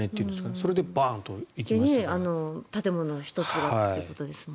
それで建物が１つということですから。